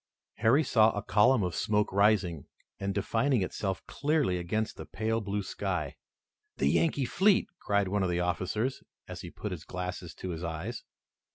Harry saw a column of smoke rising, and defining itself clearly against the pale blue sky. "The Yankee fleet!" cried one of the officers, as he put his glasses to his eyes.